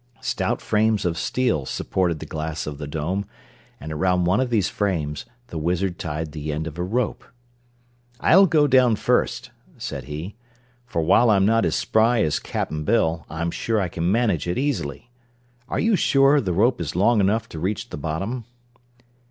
Stout frames of steel supported the glass of the Dome, and around one of these frames the Wizard tied the end of a rope. "I'll go down first," said he, "for while I'm not as spry as Cap'n Bill I'm sure I can manage it easily. Are you sure the rope is long enough to reach the bottom?"